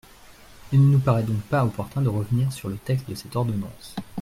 Il ne nous paraît donc pas opportun de revenir sur le texte de cette ordonnance.